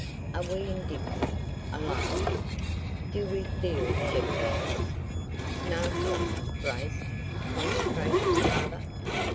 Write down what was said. Are we indignant? alarm'd? Do we feel jeopardized? No; help'd, braced, concentrated, rather.